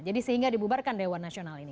jadi sehingga dibubarkan dewan nasional ini